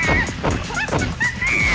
aku harus datang